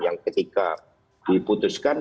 yang ketika diputuskan